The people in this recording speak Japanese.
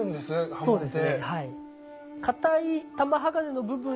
刃文って。